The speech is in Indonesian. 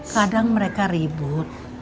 kadang mereka ribut